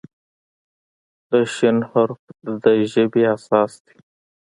د "ش" حرف د ژبې اساس دی.